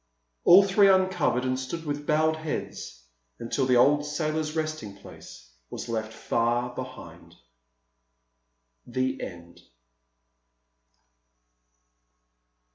All three uncovered and stood with bowed heads until the old sailor's resting place was left far behind. THE END.